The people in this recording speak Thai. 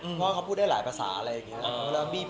เพราะว่าเขาพูดได้หลายภาษาอะไรอย่างนี้